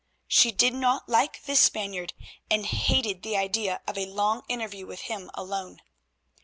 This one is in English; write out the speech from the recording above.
She did not like this Spaniard, and hated the idea of a long interview with him alone.